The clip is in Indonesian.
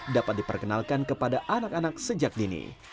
dapat diperkenalkan kepada anak anak sejak dini